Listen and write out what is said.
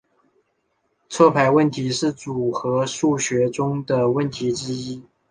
错排问题是组合数学中的问题之一。